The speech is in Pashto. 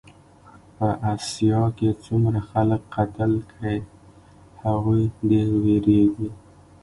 په اسیا کې څومره خلک قتل کړې هغوی ډېر وېرېږي.